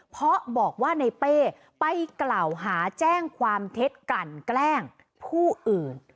เพราะบอกว่าในเป้ไปกล่าวหาแจ้งความเท็จกลั่นแกล้งผู้อื่น